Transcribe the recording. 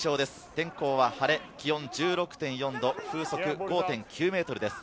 天候は晴れ、気温１６．４度、風速５．９メートルです。